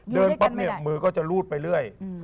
ปั๊บเนี่ยมือก็จะรูดไปเรื่อย